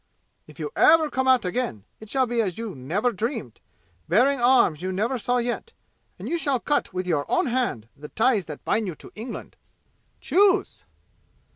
If you ever come out again, it shall be as you never dreamed, bearing arms you never saw yet, and you shall cut with your own hand the ties that bind you to England! Choose!"